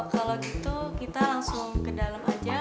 kalo gitu kita langsung ke dalem aja